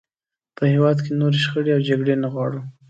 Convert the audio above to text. په هېواد کې نورې شخړې او جګړې نه غواړو.